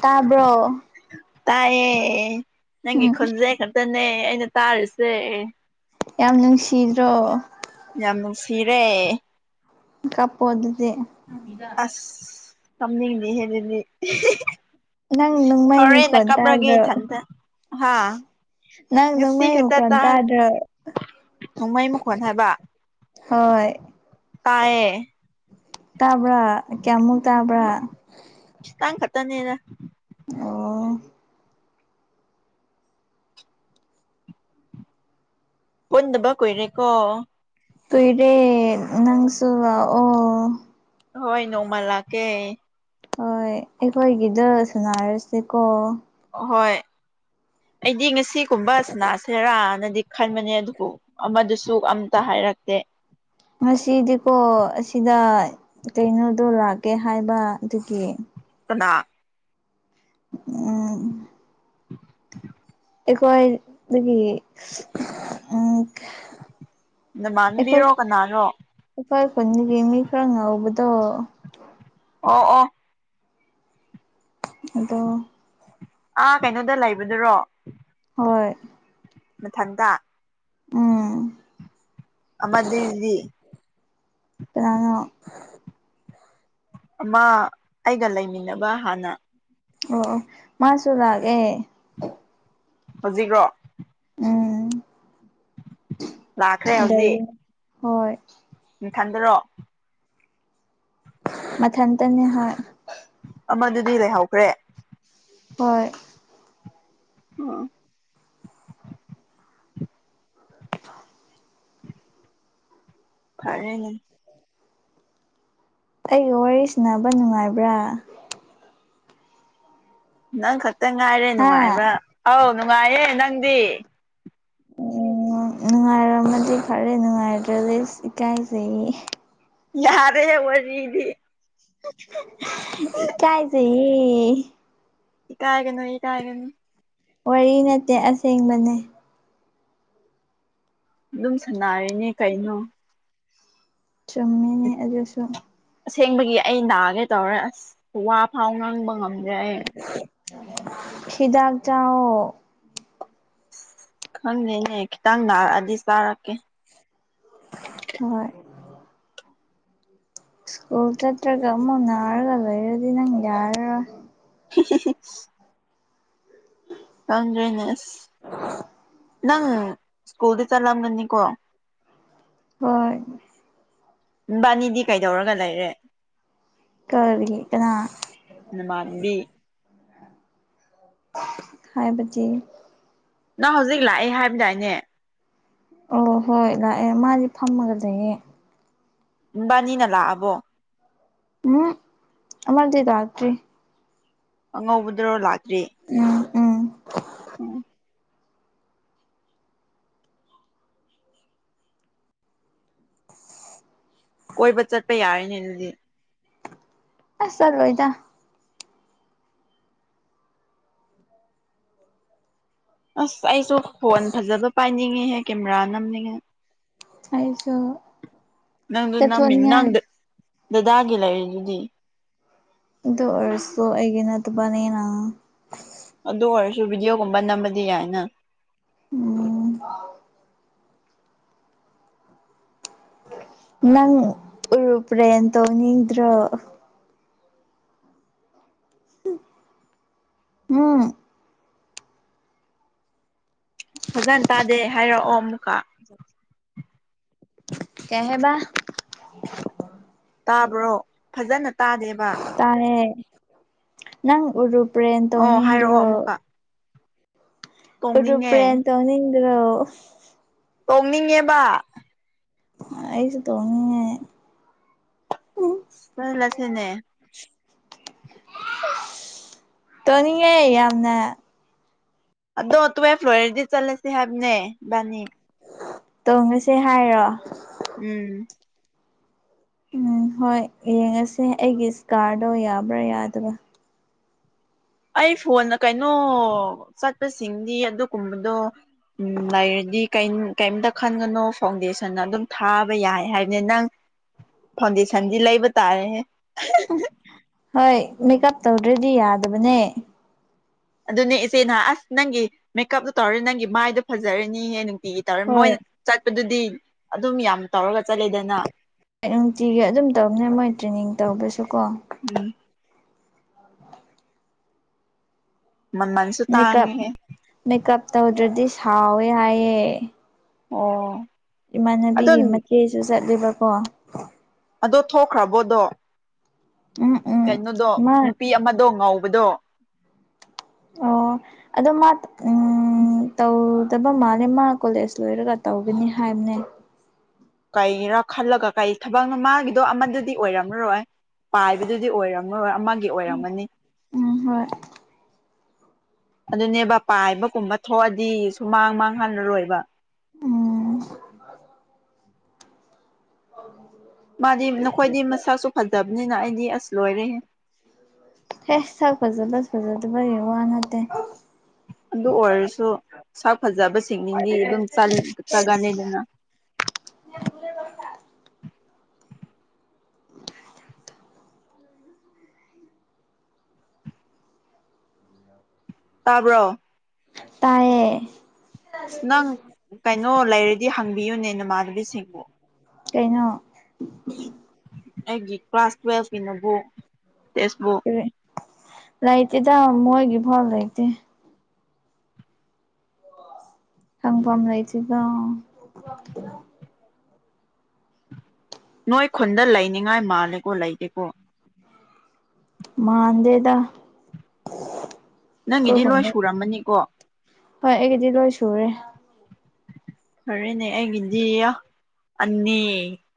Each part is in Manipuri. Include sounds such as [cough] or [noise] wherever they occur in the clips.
ꯇꯥꯕ꯭ꯔꯣ ꯇꯥꯏꯌꯦ ꯅꯪꯒꯤ ꯎꯝ ꯈꯣꯟꯖꯦꯜ ꯈꯛꯇꯅꯦ ꯑꯩꯅ ꯇꯥꯔꯤꯁꯦ ꯌꯥꯝ ꯅꯨꯡꯁꯤꯗ꯭ꯔꯣ ꯌꯥꯝ ꯅꯨꯡꯁꯤꯔꯦ ꯀꯞꯄꯣ ꯑꯗꯨꯗꯤ ꯑꯁ ꯀꯝꯅꯤꯗꯦꯍꯥ ꯑꯗꯨꯗꯤ ꯅꯪ ꯅꯣꯡꯃꯩ ꯍꯔꯦꯟꯅ ꯃꯈꯣꯟ ꯀꯞꯔꯒꯦ ꯇꯥꯗ꯭ꯔꯣ ꯏꯊꯟꯇ ꯍꯥꯥ ꯅꯪ ꯅꯨꯁꯤ ꯅꯣꯡꯃꯩ ꯈꯛꯇ ꯃꯈꯣꯟ ꯇꯥꯔ ꯇꯥꯗ꯭ꯔꯣ ꯅꯣꯡꯃꯩ ꯃꯈꯣꯟ ꯍꯥꯏꯕ ꯍꯣꯏ ꯄꯥꯢꯌꯦ ꯇꯥꯕ꯭ꯔꯥ ꯀꯌꯥꯃꯨꯛ ꯇꯥꯕ꯭ꯔꯥ ꯈꯤꯇꯪ ꯈꯠꯇꯅꯦꯗ ꯑꯣ ꯄꯨꯟꯗꯕ ꯀꯨꯏꯔꯦꯀꯣ ꯇꯨꯏꯔꯦ ꯅꯪꯁꯨ ꯂꯥꯑꯣ ꯍꯣꯏ ꯅꯣꯡꯃ ꯂꯥꯛꯀꯦ ꯍꯣꯏ ꯑꯩꯈꯣꯏꯒꯤꯗ ꯁꯅꯔꯁꯤꯀꯣ ꯍꯣꯏ ꯑꯩꯗꯤ ꯉꯁꯤꯀꯨꯝꯕ ꯁꯅꯥꯁꯔꯥꯅꯗꯤ ꯈꯟꯕꯅꯦ ꯑꯗꯨꯕꯨ ꯑꯃꯗꯨꯁꯨ ꯑꯝꯇ ꯍꯥꯏꯔꯛꯇꯦ ꯉꯁꯤꯗꯤꯀꯣ ꯑꯁꯤꯗ ꯀꯩꯅꯣꯗꯣ ꯂꯥꯛꯀꯦ ꯍꯥꯏꯕ ꯑꯗꯨꯒꯤ ꯀꯅꯥ ꯎꯝ [unintelligible] ꯑꯩꯈꯣꯏꯗꯒꯤ ꯎꯝ ꯅꯃꯥꯟꯕꯤꯔꯣ ꯀꯅꯥꯅꯣ ꯑꯩꯈꯣꯢ ꯈꯨꯟꯗꯒꯤ ꯃꯤ ꯈꯔ ꯉꯧꯕꯗꯣ ꯑꯣ ꯑꯣ ꯑꯗꯣ ꯑꯥ ꯀꯩꯅꯣꯗ ꯂꯩꯕꯗꯨꯔꯣ ꯍꯣꯏ ꯃꯊꯛꯗꯥ ꯎꯝ ꯑꯃꯗꯨꯢꯗꯤ ꯀꯅꯥꯅꯣ ꯑꯃ ꯑꯩꯒ ꯂꯩꯃꯤꯟꯅꯕ ꯍꯥꯟꯅ ꯑꯣꯑꯣ ꯃꯥꯁꯨ ꯂꯥꯛꯑꯦ ꯍꯧꯖꯤꯛꯔꯣ ꯎꯝ ꯂꯥꯛꯈ꯭ꯔꯦ ꯑꯗꯩ ꯍꯣꯏ ꯅꯊꯟꯗꯔꯣꯑꯣ ꯃꯊꯟꯇꯅꯦ ꯍꯥꯏ꯫ ꯑꯃꯗꯨꯗꯤ ꯂꯩꯍꯧꯈ꯭ꯔꯦ? ꯍꯣꯏ [inaudible] ꯐꯔꯦꯅꯦ꯫ ꯑꯩꯒ ꯋꯥꯔꯤ ꯁꯅꯕ ꯅꯨꯡꯉꯥꯏꯕ꯭ꯔꯥ? ꯅꯪ ꯈꯛꯇ ꯉꯥꯏꯔꯦ ꯍꯥ ꯅꯨꯡꯉꯥꯏꯕ ꯑꯧ ꯅꯨꯡꯉꯥꯏꯌꯦ ꯅꯪꯗꯤ꯫ ꯅꯨꯡꯉꯥꯏꯔꯝꯃꯗꯤ ꯐꯔꯦ ꯅꯨꯡꯉꯥꯏꯗ꯭ꯔꯗꯤ ꯏꯀꯥꯏꯖꯩꯌꯦ꯫ ꯌꯥꯔꯦꯍꯦ ꯋꯥꯔꯤꯗꯤ꯫ ꯏꯀꯥꯏꯖꯩꯍꯦ꯫ ꯏꯀꯥꯏꯒꯅꯣ ꯏꯀꯥꯏꯒꯅꯨ ꯋꯥꯔꯤ ꯅꯠꯇꯦ ꯑꯁꯦꯡꯕꯅꯦ꯫ ꯑꯗꯨꯝ ꯁꯥꯟꯅꯔꯤꯅꯦ ꯀꯩꯅꯣ꯫ ꯆꯨꯝꯃꯤꯅꯦ ꯑꯗꯨꯁꯨ꯫ ꯑꯁꯦꯡꯕꯒꯤ ꯑꯩ ꯅꯥꯒꯦ ꯇꯧꯔꯦ ꯑꯁ ꯋꯥ ꯐꯥꯎ ꯉꯥꯡꯕ ꯉꯝꯗ꯭ꯔꯦ ꯑꯩ꯫ ꯍꯤꯗꯥꯛ ꯆꯥꯎꯑꯣ꯫ ꯈꯪꯗꯦꯅꯦ ꯈꯤꯇꯪ ꯅꯥꯔꯛꯑꯗꯤ ꯆꯥꯔꯛꯀꯦ꯫ ꯍꯣꯏ ꯁ꯭ꯀꯨꯜ ꯆꯠ꯭ꯔꯒ ꯑꯃꯨꯛ ꯅꯥꯔꯒ ꯂꯩꯔꯗꯤ ꯅꯪ ꯌꯔꯔꯣꯏ꯫ [unintelligible] ꯈꯪꯗ꯭ꯔꯦꯅꯦ ꯅꯪ ꯁ꯭ꯀꯨꯜꯗꯤ ꯆꯠꯂꯝꯒꯅꯤꯀꯣ? ꯍꯣꯏ ꯅꯕꯥꯅꯤꯗꯤ ꯀꯩꯗꯧꯔꯒ ꯂꯩꯔꯦ? ꯀꯔꯤ ꯀꯅꯥ? ꯅꯃꯥꯟꯅꯕꯤ ꯍꯥꯏꯕꯗꯤ? ꯅꯪ ꯍꯧꯖꯤꯛ ꯂꯥꯛꯑꯦ ꯍꯥꯏꯕꯗꯥꯏꯅꯦ꯫ ꯑꯣ ꯍꯣꯏ ꯂꯥꯛꯑꯦ ꯃꯥꯗꯤ ꯐꯝꯃꯒ ꯂꯩꯌꯦ꯫ ꯅꯕꯅꯤꯅ ꯂꯛꯑꯕꯣ? ꯑꯃꯗꯤ ꯂꯛꯇ꯭ꯔꯤ꯫ ꯑꯉꯧꯕꯗꯨꯔꯣ ꯂꯥꯛꯇ꯭ꯔꯤ꯫ ꯎꯝ ꯎꯝ [inaudible] ꯀꯣꯏꯕ ꯆꯠꯄ ꯌꯥꯔꯤꯅꯦ ꯑꯗꯨꯗꯤ꯫ ꯑꯁ ꯆꯠꯂꯣꯏꯗ꯫ ꯑꯁ ꯑꯩꯁꯨ ꯐꯣꯟ ꯐꯖꯕ ꯄꯥꯏꯅꯤꯡꯉꯦꯍꯦ ꯀꯦꯃꯦꯔꯥ ꯅꯝꯅꯤꯡꯉꯦ꯫ ꯑꯩꯁꯨ ꯅꯪꯗꯨ ꯅꯝꯃꯤ ꯆꯠꯊꯣꯛꯅꯤꯡꯉꯥꯏ ꯅꯪ ꯗꯥꯗꯥꯒꯤ ꯂꯩꯔꯤꯗꯨꯗꯤ꯫ ꯑꯗꯨꯔꯣꯏꯔꯁꯨ ꯑꯩꯒꯤ ꯅꯠꯇꯕꯅꯤꯅ꯫ ꯑꯗꯨ ꯑꯣꯏꯔꯁꯨ ꯚꯗꯤꯑꯣꯒꯨꯝꯕ ꯅꯝꯕꯗꯤ ꯌꯥꯏꯅ꯫ ꯎꯝ ꯅꯪ ꯎꯔꯨꯞꯄ꯭ꯔꯦꯟꯅ ꯇꯧꯅꯤꯡꯗ꯭ꯔꯣ? ꯎꯝ ꯐꯖꯅ ꯇꯥꯗꯦ ꯍꯥꯏꯔꯛꯑꯣ ꯑꯃꯨꯛꯀ꯫ [inaudible] ꯀꯩꯍꯥꯏꯕ? ꯇꯥꯕ꯭ꯔꯣ? ꯐꯖꯅ ꯇꯥꯗꯦꯕ꯫ ꯇꯥꯔꯦ ꯅꯪ ꯎꯔꯨꯄ꯭ꯂꯦꯟ ꯑꯣ ꯍꯥꯏꯔꯛꯑꯣ ꯇꯣꯡꯅꯤꯡꯗ꯭ꯔꯣ ꯑꯃꯨꯛꯀ ꯇꯣꯡꯅꯤꯡꯉꯦ ꯎꯔꯨꯄ꯭ꯔꯦꯟ ꯇꯣꯡꯅꯤꯡꯗ꯭ꯔꯣ ꯇꯣꯡꯅꯤꯡꯉꯦꯕ ꯑꯩꯁꯨ ꯇꯣꯡꯅꯤꯡꯉꯦ ꯆꯠꯂꯁꯤꯅꯦ ꯇꯥꯅꯤꯡꯉꯦ ꯌꯥꯝꯅ ꯑꯗꯣ ꯇꯨꯋꯦꯞ ꯂꯣꯏꯔꯗꯤ ꯆꯠꯂꯁꯤ ꯍꯥꯏꯕꯅꯦ ꯏꯕꯥꯟꯅꯤ ꯇꯣꯡꯉꯨꯁꯦ ꯍꯥꯏꯔꯣ ꯑꯝ ꯑꯝ ꯍꯣꯏ ꯌꯦꯡꯉꯁꯦ ꯑꯩꯒꯤ ꯏꯁꯀ꯭ꯔꯥꯗꯣ ꯌꯕ꯭ꯔꯥ ꯌꯗꯕ꯭ꯔꯥ ꯑꯩ ꯐꯣꯟꯅ ꯀꯩꯅꯣ ꯆꯠꯄꯁꯤꯡꯗꯤ ꯑꯗꯨꯒꯨꯝꯕꯗꯣ ꯑꯝ ꯂꯩꯔꯗꯤ ꯀꯩꯝꯇ ꯈꯟꯒꯅꯣ ꯐꯥꯎꯟꯗꯦꯁꯟ ꯑꯗꯨꯝ ꯊꯥꯕ ꯌꯥꯏ ꯍꯥꯏꯅꯦ ꯅꯪ ꯐꯥꯎꯟꯗꯦꯁꯟꯗꯤ ꯂꯩꯕ ꯇꯥꯔꯦ ꯍꯦ ꯍꯣꯏ ꯃꯦꯀꯞ ꯇꯧꯗ꯭ꯔꯗꯤ ꯌꯥꯗꯕꯅꯦ ꯑꯗꯨꯅꯦ ꯏꯆꯦ ꯑꯁ ꯅꯪꯒꯤ ꯃꯦꯀꯞꯇꯣ ꯇꯧꯔꯅꯤ ꯅꯪꯒꯤ ꯃꯥꯏꯗꯣ ꯐꯥꯖꯔꯅꯤ ꯍꯦ ꯅꯨꯡꯇꯤꯒꯤ ꯇꯧꯔꯅꯤ ꯍꯣꯏ ꯃꯣꯏꯅ ꯆꯠꯄꯗꯨꯗꯤ ꯑꯗꯨꯝ ꯌꯥꯝ ꯇꯧꯔꯒ ꯆꯠꯂꯦꯗꯅ ꯅꯨꯡꯇꯤꯒꯤ ꯑꯗꯨꯝ ꯇꯧꯕꯅꯦ ꯃꯣꯏ ꯇ꯭ꯔꯦꯅꯤꯡ ꯇꯧꯕꯁꯨ ꯀꯣ ꯑꯝ ꯃꯥꯃꯟꯁ ꯃꯦꯀꯞ ꯃꯦꯀꯞ ꯇꯧꯗ꯭ꯔꯗꯤ ꯁꯥꯎꯋꯦ ꯍꯥꯏꯌꯦ ꯑꯣ ꯑꯗꯣ ꯏꯃꯥꯟꯅꯕꯤꯒꯤ ꯃꯆꯦꯁꯨ ꯆꯠꯂꯦꯕꯀꯣ ꯑꯗꯣ ꯊꯣꯛꯈ꯭ꯔꯕꯣꯗꯣ ꯎꯝ ꯎꯝ ꯀꯩꯅꯣꯗꯣ ꯃꯥ ꯅꯨꯄꯤ ꯑꯃꯗꯣ ꯉꯧꯕꯗꯣ ꯑꯣ ꯑꯗꯣ ꯃꯥ ꯑꯝ ꯇꯧꯗꯕ ꯃꯥꯜꯂꯦ ꯃꯥ ꯀꯣꯂꯦꯖ ꯂꯣꯏꯔꯒ ꯇꯧꯒꯅꯤ ꯍꯥꯏꯕꯅꯦ ꯀꯩꯒꯤꯔꯥ ꯈꯜꯂꯒ ꯀꯩ ꯊꯥꯕꯛꯅꯣ ꯃꯥꯒꯤꯗꯣ ꯑꯃꯗꯨꯗꯤ ꯑꯣꯏꯔꯝꯃꯔꯣꯏ ꯄꯥꯏꯕꯗꯨꯗꯤ ꯑꯣꯏꯔꯝꯃꯔꯣꯏ ꯑꯃꯒꯤ ꯑꯣꯏꯔꯝꯒꯅꯤ ꯎꯝ ꯍꯣꯏ ꯑꯗꯨꯅꯦꯕ ꯄꯥꯏꯕꯒꯨꯝꯕ ꯊꯣꯛꯑꯗꯤ ꯁꯨꯃꯥꯡ ꯃꯥꯡꯍꯜꯂꯔꯣꯏꯕ ꯑꯝ [inaudible] ꯃꯥꯗꯤ ꯅꯈꯣꯏꯗꯤ ꯃꯁꯛꯁꯨ ꯐꯥꯖꯕꯅꯤꯅ ꯑꯩꯗꯤ ꯑꯁ ꯂꯣꯏꯔꯦꯍꯦ ꯍꯦ ꯁꯛ ꯐꯥꯖꯕ ꯐꯖꯗꯕꯩ ꯋꯥ ꯅꯠꯇꯦ ꯑꯗꯨ ꯑꯣꯏꯔꯁꯨ ꯁꯛ ꯐꯥꯖꯕ ꯁꯤꯡꯅꯤꯡꯗꯤ ꯑꯗꯨꯝ ꯆꯥꯒꯜꯂꯤꯅꯤꯗ [unintelligible] ꯇꯥꯕ꯭ꯔꯣ ꯇꯥꯏꯌꯦ ꯑꯁ ꯅꯪ ꯀꯩꯅꯣ ꯂꯩꯔꯗꯤ ꯍꯪꯕꯤꯌꯨꯅꯦ ꯅꯃꯥꯟꯅꯕꯤꯁꯤꯡꯕꯨ ꯀꯩꯅꯣ ꯑꯩꯒꯤ ꯀ꯭ꯂꯥꯁ ꯇꯨꯋꯦꯜꯀꯤ ꯅꯣꯠꯕꯨꯛ ꯇꯦꯛꯁꯕꯨꯛ ꯂꯩꯇꯦꯗ ꯃꯣꯏꯒꯤ ꯐꯥꯎ ꯂꯩꯇꯦ ꯍꯪꯐꯝ ꯂꯩꯇꯦꯗ ꯅꯣꯏ ꯈꯨꯟꯗ ꯂꯩꯅꯤꯉꯥꯏ ꯃꯥꯜꯂꯦꯀꯣ ꯂꯩꯇꯦꯀꯣ ꯃꯥꯥꯟꯗꯦꯗ ꯅꯪꯒꯤꯗꯤ ꯂꯣꯏ ꯁꯨꯔꯝꯃꯅꯤꯀꯣ ꯍꯣꯏ ꯑꯩꯒꯤꯗꯤ ꯂꯣꯏ ꯁꯨꯔꯦ ꯐꯔꯦꯅꯦ ꯑꯩꯒꯤꯗꯤ ꯌꯥ ꯑꯅꯤ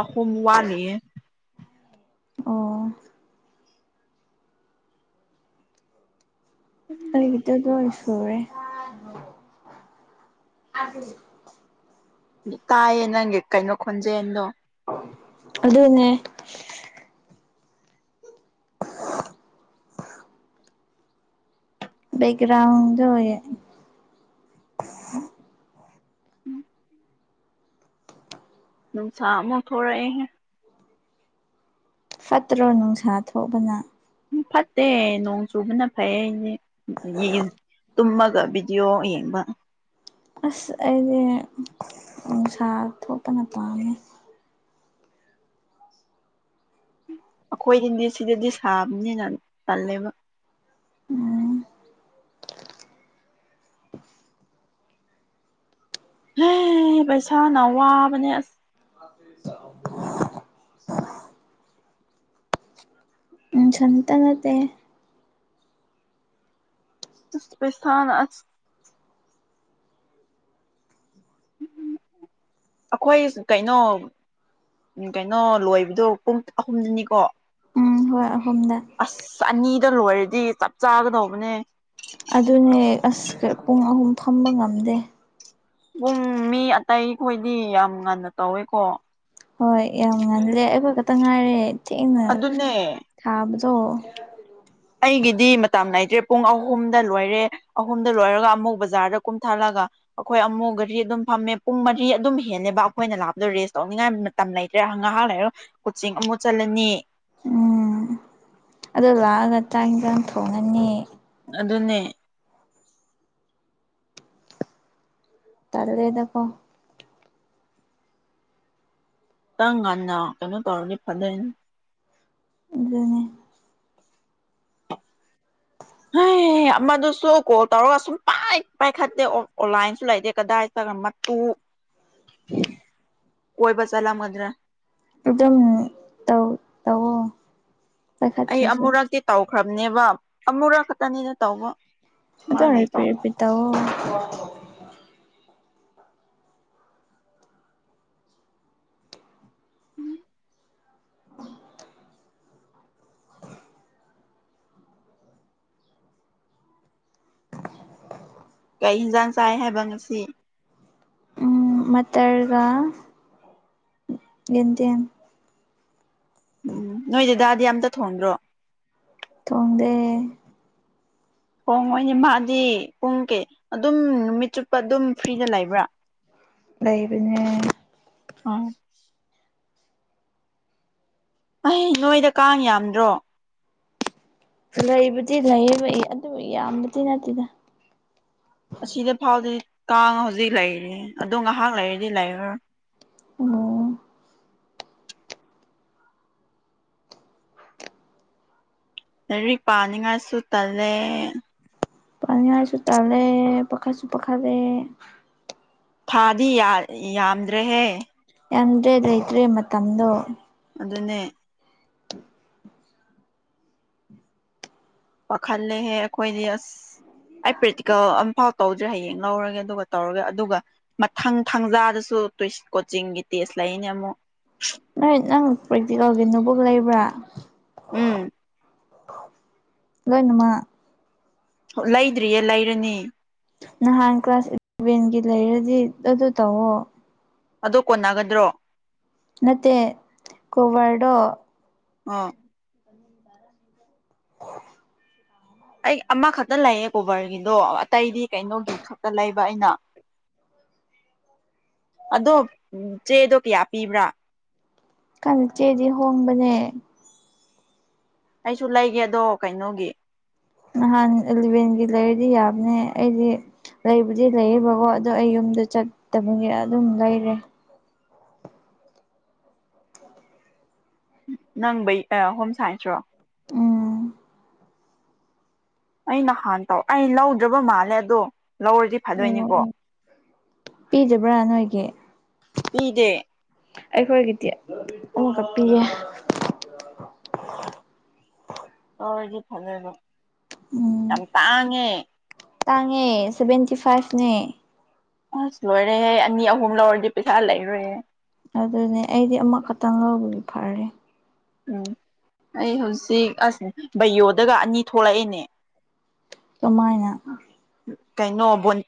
ꯑꯍꯨꯝ ꯋꯥꯠꯂꯤ ꯑꯣ ꯑꯩꯒꯤꯗꯤ ꯂꯣꯏ ꯁꯨꯔꯦ ꯑꯗꯨꯅꯤ ꯇꯥꯏꯌꯦ ꯅꯪꯒꯤ ꯀꯩꯅꯣ ꯈꯣꯟꯖꯦꯟꯗꯣ ꯑꯗꯨꯅꯦ ꯕꯦꯛꯒ꯭ꯔꯥꯎ ꯗꯨꯑꯣꯏꯌꯦ ꯅꯨꯡꯁꯥ ꯑꯃꯧꯛ ꯊꯣꯔꯥꯛꯑꯦꯍꯦ ꯐꯠꯇ꯭ꯔꯣ ꯅꯨꯡꯁꯥ ꯊꯣꯛꯑꯕꯅ ꯎ ꯐꯠꯇꯦ ꯅꯣꯡ ꯆꯨꯕꯅ ꯐꯩꯌꯦ ꯑꯩꯗꯤ [unintelligible] ꯇꯨꯝꯃꯒ ꯚꯤꯗꯤꯑꯣ ꯌꯦꯡꯕ ꯑꯁ ꯑꯩꯗꯤ ꯅꯨꯡꯁꯥ ꯊꯣꯛꯄꯅ ꯄꯥꯝꯃꯦ ꯑꯩꯈꯣꯏꯒꯤ ꯅꯤꯁꯗꯗꯤ ꯁꯤꯗꯗꯤ ꯁꯥꯕꯅꯤꯅ ꯇꯜꯂꯦꯕ ꯎꯝ ꯍ ꯄꯩꯁꯥꯅꯋꯥꯕꯅꯦ ꯑꯁ ꯅꯪꯁꯟꯇ ꯅꯠꯇꯦ [unintelligible] ꯄꯁꯅ ꯑꯁ ꯑꯩꯈꯣꯏ ꯀꯩꯅꯣ ꯎ ꯀꯩꯅꯣ ꯂꯣꯏꯕꯗꯣ ꯄꯨꯡ ꯑꯍꯨꯝꯗꯅꯤꯀꯣ ꯎꯝ ꯍꯣꯏ ꯑꯍꯨꯝꯗ ꯑꯁ ꯑꯅꯤꯗ ꯂꯣꯏꯔꯗꯤ ꯆꯞ ꯆꯥꯒꯗꯧꯕꯅꯦ ꯑꯗꯨꯅꯦ ꯑꯁ ꯄꯨꯡ ꯑꯍꯨꯝ ꯐꯝꯕ ꯉꯝꯗꯦ ꯄꯨꯡ ꯃꯤ ꯑꯇꯩ ꯈꯣꯏꯗꯤ ꯌꯥꯝ ꯉꯟꯅ ꯇꯧꯋꯦꯀꯣ ꯍꯣꯏ ꯌꯥꯝ ꯉꯜꯂꯦ ꯑꯩꯈꯣꯏ ꯈꯛꯇ ꯉꯥꯏꯔꯦ ꯊꯦꯡꯅ ꯑꯗꯨꯅꯦ ꯊꯥꯕꯗꯣ ꯑꯩꯒꯤꯗꯤ ꯃꯇꯝ ꯅꯥꯏꯗ꯭ꯔꯦ ꯄꯨꯡ ꯑꯍꯨꯝꯗ ꯂꯣꯏꯔꯦ ꯑꯍꯨꯝꯗ ꯂꯣꯏꯔꯒ ꯑꯃꯨꯛ ꯕꯖꯥꯔꯗ ꯀꯨꯝꯊꯥꯂꯒ ꯑꯩꯈꯣꯏ ꯑꯃꯨꯛ ꯒꯔꯤ ꯑꯗꯨꯝ ꯐꯝꯃꯦ ꯄꯨꯡ ꯃꯔꯤ ꯑꯗꯨꯝ ꯍꯦꯜꯂꯦꯕ ꯑꯩꯈꯣꯏꯅ ꯂꯥꯞꯄꯗꯣ ꯔꯦꯁ ꯇꯧꯅꯤꯡꯉꯥꯏ ꯇꯝ ꯂꯩꯇ꯭ꯔꯦ ꯉꯥꯏꯍꯥꯛ ꯂꯩꯔ ꯀꯣꯆꯤꯛ ꯑꯃꯨꯛ ꯆꯠꯂꯅꯤ ꯎꯝ ꯑꯗꯣ ꯂꯥꯛꯑꯒ ꯆꯥꯛ ꯏꯟꯖꯥꯛ ꯊꯣꯡꯉꯅꯤ ꯑꯗꯨꯅꯦ ꯇꯥꯜꯂꯦꯗꯀꯣ ꯇꯪ ꯉꯟꯅ ꯀꯩꯅꯣ ꯇꯧꯔꯅꯤ ꯐꯗꯣꯏꯅꯦ ꯑꯗꯨꯅꯦ [inaudible] ꯑꯦ ꯑꯃꯗꯨꯁꯨ ꯀꯣꯜ ꯇꯧꯔꯒ ꯁꯨꯝ ꯄꯥꯏ ꯄꯥꯏꯈꯠꯇꯦ ꯑꯣꯟꯂꯥꯏꯟꯁꯨ ꯂꯩꯇꯦ ꯀꯗꯥꯏ ꯆꯈꯃꯣ ꯃꯇꯨ ꯀꯣꯏꯕ ꯆꯠꯂꯝ ꯃꯗꯨ꯭ꯔꯥ ꯑꯗꯨꯝ ꯇꯧ ꯇꯧꯑꯣ ꯑꯩ ꯑꯃꯨꯔꯛꯇꯤ ꯇꯧꯈ꯭ꯔꯕꯅꯦꯕ ꯑꯃꯨꯔꯛ ꯈꯛꯇꯅꯤꯗ ꯇꯧꯕ ꯃꯥ ꯑꯗꯣ ꯔꯦꯄꯤꯠ ꯂꯩꯇꯕ ꯔꯦꯄꯤꯠ ꯇꯧꯑꯣ ꯎꯝ ꯀꯔꯤ ꯏꯟꯖꯥꯡ ꯆꯥꯏ ꯍꯥꯏꯕ ꯉꯁꯤ ꯎꯝ ꯃꯇꯔꯒ ꯌꯦꯟꯗꯦꯝ ꯎꯝ ꯅꯣꯏ ꯗꯗꯥꯗꯤ ꯑꯝꯇ ꯊꯣꯡꯗ꯭ꯔꯣ ꯊꯣꯡꯗꯦ ꯊꯣꯡꯉꯣꯏꯅꯦ ꯃꯥꯗꯤ ꯄꯨꯡ ꯀꯩ ꯑꯗꯨꯝ ꯅꯨꯃꯤꯠ ꯆꯨꯞꯄ ꯑꯗꯨꯝ ꯐ꯭ꯔꯤꯗ ꯂꯩꯕ꯭ꯔꯥ ꯂꯩꯕꯅꯦ ꯑꯥ ꯑꯩ ꯅꯣꯏꯗ ꯀꯥꯡ ꯌꯥꯝꯗ꯭ꯔꯣ ꯂꯩꯕꯨꯗꯤ ꯂꯩꯌꯦꯕ ꯑꯩ ꯑꯗꯨ ꯌꯥꯝꯕꯗꯤ ꯅꯠꯇꯦꯗ ꯑꯁꯤꯗ ꯐꯥꯎꯗꯤ ꯀꯥꯡ ꯍꯧꯖꯤꯛ ꯂꯩꯔꯤ ꯑꯗꯨ ꯉꯥꯍꯥꯛ ꯂꯩꯔꯗꯤ ꯂꯩꯔꯔꯣꯏ ꯑꯣ ꯂꯥꯏꯔꯤꯛ ꯄꯥꯅꯤꯡꯉꯥꯏꯁꯨ ꯇꯜꯂꯦ ꯄꯥꯅꯤ ꯍꯥꯏꯔꯁꯨ ꯇꯜꯂꯦ ꯄꯥꯈꯠꯁꯨ ꯄꯥꯈꯠꯂꯦ ꯊꯥꯗꯤ ꯌꯥ ꯌꯥꯝꯗ꯭ꯔꯦꯍꯦ ꯌꯥꯝꯗ꯭ꯔꯦ ꯂꯩꯇ꯭ꯔꯦ ꯃꯇꯝꯗꯣ ꯑꯗꯨꯅꯦ ꯄꯥꯈꯜꯂꯦꯍꯦ ꯑꯈꯣꯏꯗꯤ ꯑꯁ ꯑꯩ ꯄ꯭ꯔꯦꯛꯇꯤꯀꯦꯜ ꯑꯝꯐꯥꯎ ꯇꯧꯗ꯭ꯔꯦ ꯍꯌꯦꯡ ꯂꯧꯔꯒꯦ ꯑꯗꯨꯒ ꯇꯧꯔꯒꯦ ꯑꯗꯨꯒ ꯃꯊꯪ ꯊꯥꯡꯖꯥꯗꯁꯨ ꯇꯨꯢ ꯀꯣꯆꯤꯡꯒꯤ ꯇꯦꯁ ꯂꯩꯌꯦꯅꯦ ꯑꯃꯨꯛ ꯅꯣꯏ ꯅꯪ ꯄ꯭ꯔꯦꯛꯇꯤꯀꯦꯜꯒꯤ ꯅꯣꯕꯨꯛ ꯂꯩꯕ꯭ꯔꯥ ꯎꯝ ꯂꯣꯏꯅꯃꯛ ꯍꯣ ꯂꯩꯗ꯭ꯔꯤꯌꯦ ꯂꯩꯔꯅꯤ ꯅꯍꯥꯟ ꯀ꯭ꯂꯥꯁ ꯏꯂꯚꯦꯟꯒꯤ ꯂꯩꯔꯗꯤ ꯑꯗꯨ ꯇꯧꯋꯣ ꯑꯗꯨ ꯀꯣꯟꯅꯒꯗ꯭ꯔꯣ ꯅꯠꯇꯦ ꯀꯣꯕꯔꯗꯣ ꯑ ꯑꯩ ꯑꯃꯈꯠꯇ ꯂꯩꯌꯦ ꯀꯣꯕꯔꯒꯤꯗꯣ ꯑꯇꯩꯗꯤ ꯀꯩꯅꯣꯒꯤ ꯈꯛꯇ ꯂꯩꯕ ꯑꯩꯅ [unintelligible] ꯑꯗꯣ ꯆꯦꯗꯣ ꯀꯌꯥ ꯄꯤꯕ꯭ꯔꯥ ꯈꯪ ꯆꯦꯗꯤ ꯍꯣꯡꯕꯅꯦ ꯑꯩꯁꯨ ꯂꯩꯒꯦ ꯑꯗꯣ ꯀꯩꯅꯣꯒꯤ ꯅꯍꯥꯟ ꯑꯦꯂꯚꯦꯟꯒꯤ ꯂꯩꯔꯗꯤ ꯌꯥꯕꯅꯦ ꯑꯩꯗꯤ ꯂꯩꯕꯨꯗꯤ ꯂꯩꯌꯦꯕꯀꯣ ꯑꯗꯣ ꯑꯩ ꯌꯨꯝꯗ ꯆꯠꯇꯕꯒꯤ ꯑꯗꯨꯝ ꯂꯩꯔꯦ ꯅꯪ ꯕꯩ ꯑꯥ ꯍꯣꯝ ꯁꯥꯏꯟꯁꯔꯣ ꯑꯣ ꯑꯩ ꯅꯍꯥꯟ ꯇꯧ ꯑꯩ ꯂꯧꯗ꯭ꯔꯕ ꯃꯥꯜꯂꯦ ꯑꯗꯣ ꯂꯧꯔꯗꯤ ꯑꯣ ꯐꯗꯣꯏꯅꯤꯀꯣ ꯑꯣ ꯄꯤꯗꯕ꯭ꯔꯥ ꯅꯣꯏꯒꯤ ꯄꯤꯗꯦ ꯑꯩꯈꯣꯏꯒꯤꯗꯤ ꯑꯃꯥ ꯈꯛ ꯄꯤꯌꯦ ꯑꯣ ꯑꯩꯗꯤ ꯐꯪꯉꯦꯟꯕ ꯎꯝ ꯌꯥꯝ ꯇꯥꯡꯉꯦ ꯇꯥꯡꯉꯦ ꯁꯚꯦꯟꯇꯤ ꯐꯥꯏꯐꯅꯦ ꯑꯁ ꯂꯣꯏꯔꯦꯍꯦ ꯑꯅꯤ ꯑꯍꯨꯝ ꯂꯧꯔꯗꯤ ꯄꯩꯁꯥ ꯂꯩꯔꯣꯏꯍꯦ ꯑꯗꯨꯅꯦ ꯑꯩꯗꯤ ꯑꯃꯈꯛꯇꯪ ꯂꯧꯕꯒꯤ ꯐꯔꯦ ꯎꯝ ꯑꯩ ꯍꯧꯖꯤꯛ ꯑꯁ ꯕꯩꯌꯣꯗꯒ ꯑꯅꯤ ꯊꯣꯛꯂꯛꯑꯦꯅꯦ ꯀꯃꯥꯏꯅ ꯀꯩꯅꯣ ꯕꯣꯟ